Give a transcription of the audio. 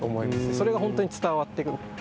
それが本当に伝わってくる。